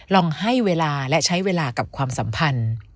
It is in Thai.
ลองให้เวลาและใช้เวลากับความสัมพันธ์